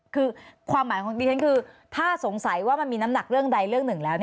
คือความหมายของดิฉันคือถ้าสงสัยว่ามันมีน้ำหนักเรื่องใดเรื่องหนึ่งแล้ว